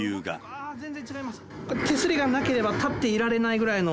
これ、手すりがなければ立っていられないぐらいの。